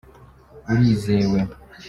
urizewe.